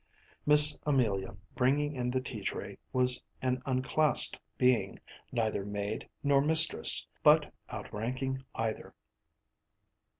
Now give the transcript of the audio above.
Miss Amelia, bringing in the tea tray, was an unclassed being, neither maid nor mistress, but outranking either.